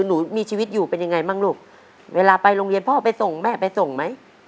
หนูมีชีวิตอยู่เป็นยังไงบ้างลูกเวลาไปโรงเรียนพ่อไปส่งแม่ไปส่งไหม